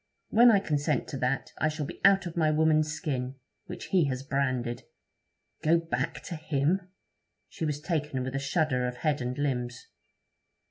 When I consent to that, I shall be out of my woman's skin, which he has branded. Go back to him!' She was taken with a shudder of head and limbs.